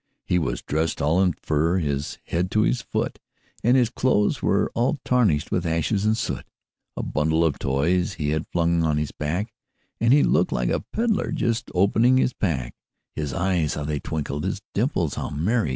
He was dressed all in fur from his head to his foot, And his clothes were all tarnished with ashes and soot; A bundle of toys he had flung on his back, And he looked like a peddler just opening his pack; His eyes how they twinkled! his dimples how merry!